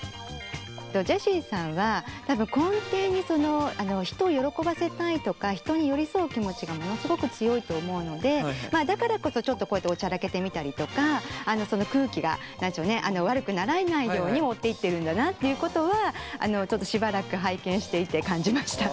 ジェシーさんは多分根底に人を喜ばせたいとか人に寄り添う気持ちがものすごく強いと思うのでだからこそちょっとこうやっておちゃらけてみたりとかその空気が悪くならないように持っていってるんだなっていうことはちょっとしばらく拝見していて感じました。